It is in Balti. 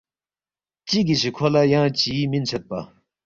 چِگی سی کھو لہ ینگ چی مِنسیدپا